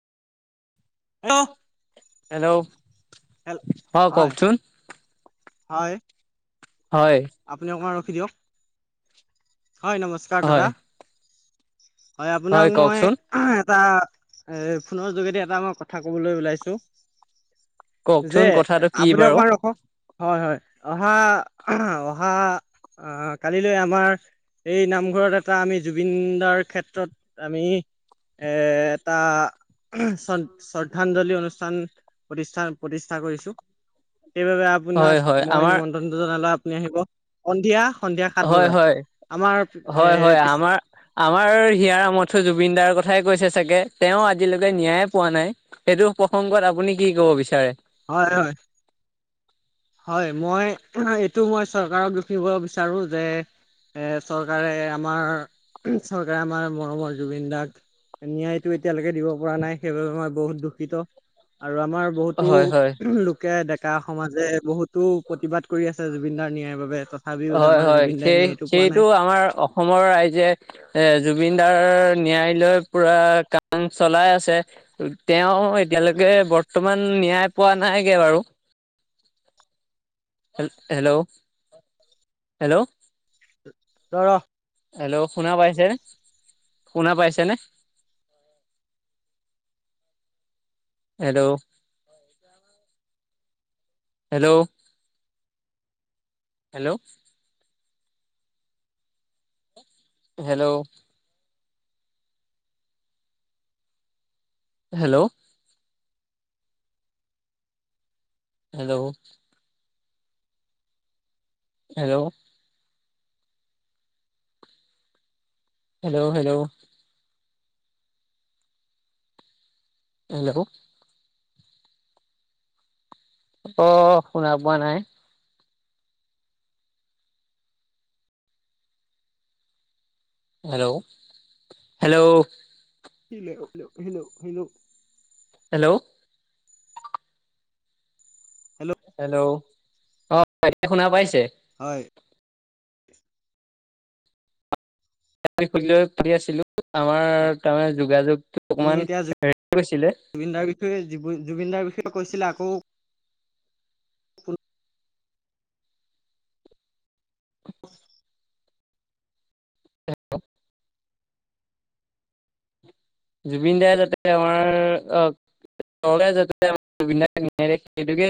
Hello hello অ' কওকচোন হয়-হয়। হয়। আপুনি অকণমান ৰখি দিয়ক, হয় নমস্কাৰ হয় দাদা। হয় হয় আপোনাক মই। কওকচোন এটা এ ফোনৰ যোগেদি এটা মই কথা কবলে ওলাইছো। যে কওকচোন কথাটো কি আপুনি বাৰু অকমান ৰখক হয়-হয় অহা অ', অহা আহ কালিলে আমাৰ। এই নামঘৰত এটা আমি জুবিন দাৰ ক্ষেত্ৰত আমি। এ এটা। শ্ৰ-শ্ৰদ্ধাঞ্জলি অনুষ্ঠান প্ৰতিষ্ঠা-প্ৰতিষ্ঠা কৰিছো। সেইবাবে আপোনাক হয় হয় মই আমাৰ নিমন্ত্ৰনটো জনালো আপুনি আহিব সন্ধিয়া। সন্ধিয়া সাত হয় বজাত হয় আমাৰ হয় হয় এ। আমাৰ আমাৰ হিয়াৰ আমঠু জুবিন দাৰ কথাই কৈছে চাগে তেওঁ আজিলৈকে ন্যায় পোৱা নাই। সেইটো প্ৰসংগত আপুনি কি কব বিচাৰে? হয় হয়। হয় মই এইটো মই চৰকাৰক দুখিব বিচাৰোঁ যে। এ চৰকাৰে, এআমাৰ চৰকাৰে আমাৰ মৰমৰ জুবিন দাক ন্যায়টো এতিয়ালৈকে দিব পৰা নাই সেইবাবে মই বহুত দুখিত। আৰু আমাৰ বহুতো হয় হয় লোকে ডেকা সমাজে বহুতো প্ৰতিবাদ কৰি আছে জুবিনদাৰ ন্যায়ৰ বাবে তথাপিও হয়, আমাৰ হয় জুবিন দাই সেই ন্যায়টো পোৱা সেইটো নাই আমাৰ অসমৰ ৰাইজে এ জুবিনদাৰ ন্যায় লৈ পুৰা কাম চলাই আছে। তেওঁ এতিয়ালৈকে বৰ্তমান ন্যায় পোৱা নাইগে বাৰু। হেল-হেল্ল', হেল্ল'। তই ৰ'হ। হেল্ল' শুনা পাইছে শুনা পাইছেনে? Hello. Hello, hello. Hello. Hello. Hello. Hello. Hello, hello. Hello. অহ, শুনা পোৱা নাই? Hello, ' hello. Hello-hello, hello, hello. Hello. Hello অহ, এতিয়া শুনা পাইছে? হয়। আমি সকলোৱে ভাবিয়ে আছিলোঁ আমাৰ তাৰমানে যোগাযোগটো আপুনি অকমান এতিয়া হেৰি গৈছিলে। জুবিনদাৰ বিষয়ে জু-জুবিনদাৰ বিষয়ে কৈছিলে আকৌ। হেল্ল'। জুবিন দাই যাতে আমাৰ অহ, নহ'লে যাতে জুবিন দাক জীয়াই ৰাখি সেইটোকে